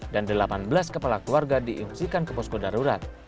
dan delapan belas kepala keluarga diimusikan ke posko darurat